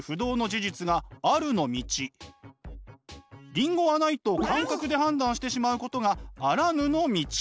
リンゴはないと感覚で判断してしまうことがあらぬの道。